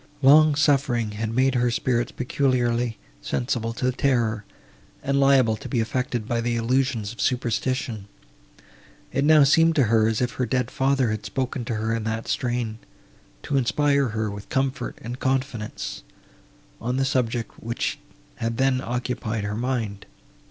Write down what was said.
Long suffering had made her spirits peculiarly sensible to terror, and liable to be affected by the illusions of superstition.—It now seemed to her, as if her dead father had spoken to her in that strain, to inspire her with comfort and confidence, on the subject, which had then occupied her mind.